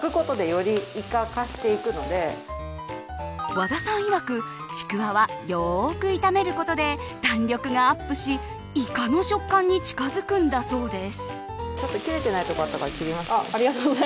和田さんいわくちくわは、よく炒めることで弾力がアップしイカの食感に近づくんだそうです。